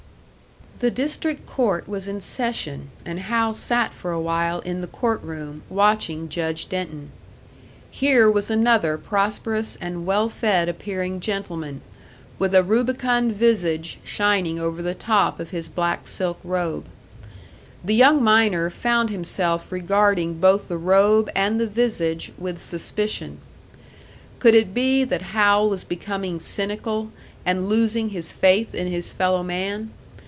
The district court was in session and Hal sat for a while in the court room, watching Judge Denton. Here was another prosperous and well fed appearing gentleman, with a rubicund visage shining over the top of his black silk robe. The young miner found himself regarding both the robe and the visage with suspicion. Could it be that Hal was becoming cynical, and losing his faith in his fellow man?